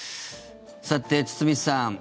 さて堤さん